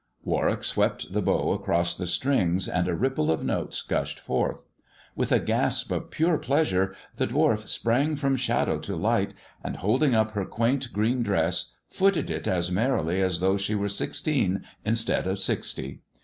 Warwick swept the bow across the strings, and a ripple of notes gushed forth. With a gasp of pure pleasure the dwarf sprang from shadow to light, and holding up her quaint green dress, footed it as merrily as though she were sixteen instead of sixty.